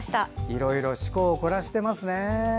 いろいろ趣向を凝らしていますね。